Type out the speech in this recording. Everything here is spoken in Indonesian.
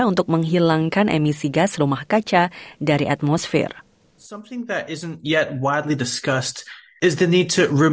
untuk menghilangkan emisi yang tidak berguna